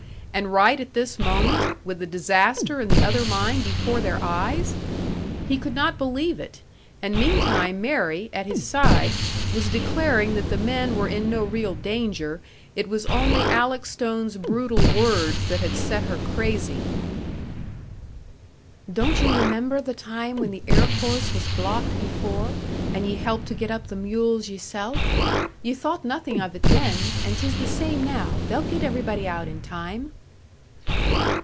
And right at this moment, with the disaster in the other mine before their eyes! He could not believe it; and meantime Mary, at his side, was declaring that the men were in no real danger it was only Alec Stone's brutal words that had set her crazy. "Don't ye remember the time when the air course was blocked before, and ye helped to get up the mules yeself? Ye thought nothin' of it then, and 'tis the same now. They'll get everybody out in time!"